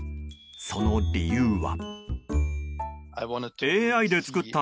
その理由は。